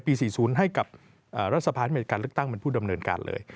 ๔๐ให้กับรัฐสภาที่มีการเลือกตั้งเป็นผู้ดำเนินการเลย